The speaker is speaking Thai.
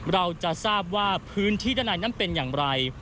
เราจะทราบว่าพื้นที่ด้านในนั้นเป็นอย่างไร